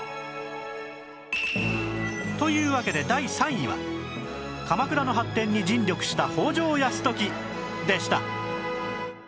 というわけで第３位は鎌倉の発展に尽力した北条泰時でした